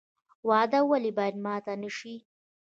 وعده ولې باید ماته نشي؟